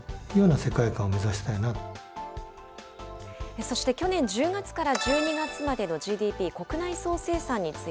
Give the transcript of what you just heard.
そして、去年１０月から１２月までのＧＤＰ・国内総生産につ